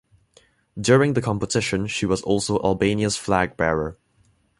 During the competition she was also Albania's flag bearer.